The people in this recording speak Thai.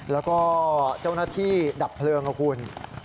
แล้วก็เจ้าหน้าที่ดับเพลิงครับคุณ